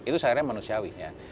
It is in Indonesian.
itu secara manusiawi ya